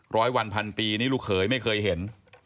ร้อยวันพันปีนี่ลูกเขยไม่เคยเห็น